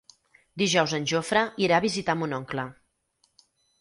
Dijous en Jofre irà a visitar mon oncle.